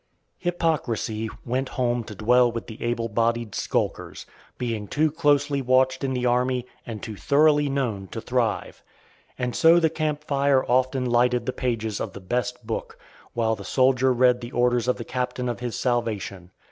Hypocrisy went home to dwell with the able bodied skulkers, being too closely watched in the army, and too thoroughly known to thrive. And so the camp fire often lighted the pages of the best Book, while the soldier read the orders of the Captain of his salvation.